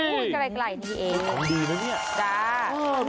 กล่ายที่เอง